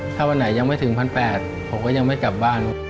ถ้าวันไหนยังไม่ถึง๑๘๐๐ผมก็ยังไม่กลับบ้านครับ